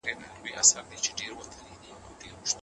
فشار د ارام فکر مخه نیسي.